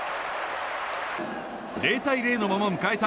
０対０のまま迎えた